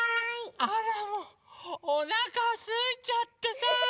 あらもうおなかすいちゃってさ。